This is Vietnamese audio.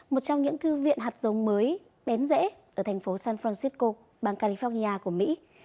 một trong những thư viện hạt giống mới bén rễ ở thành phố san francisco bang california của mỹ